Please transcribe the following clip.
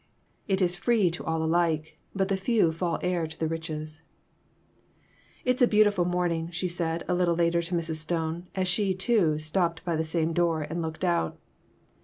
It is free to all alike, but the few fall heir to the riches. "It's a beautiful morning," she said a little later to Mrs. Stone, as she, too, stopped by the same door and looked out.